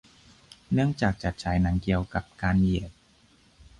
เนื่องจากจัดฉายหนังเกี่ยวกับการเหยียด